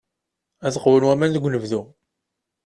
Ad qwun waman deg unebdu.